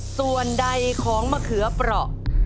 ส่วนใดของมะเขือเปราะ